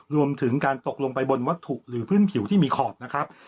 รวมถึงการตกลงไปบนวัตถุหรือพื้นผิวที่มีขอบนะครับ